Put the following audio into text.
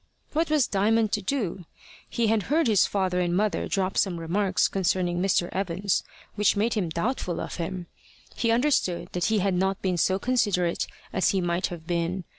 What was Diamond to do? He had heard his father and mother drop some remarks concerning Mr. Evans which made him doubtful of him. He understood that he had not been so considerate as he might have been.